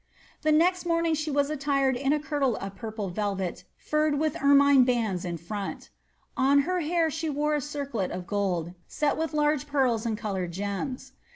The next morning she was attired in a kirtle of purple velyet fnrred with ermine bands in front. On her hair she wore a circlet of g^ld, set with large pearls and coloured gems.